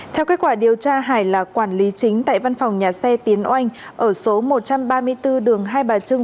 theo kết quả điều tra hải là quản lý chính tại văn phòng nhà xe tiến oanh ở số một trăm ba mươi bốn đường hai bà trưng